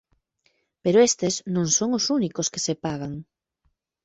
Pero estes non son os únicos que se pagan.